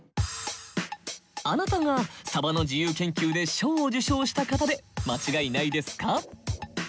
あなたが「サバ」の自由研究で賞を受賞した方で間違いないですか？